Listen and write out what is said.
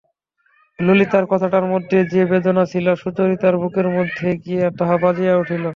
ললিতার কথাটার মধ্যে যে বেদনা ছিল সুচরিতার বুকের মধ্যে গিয়া তাহা বাজিয়া উঠিল।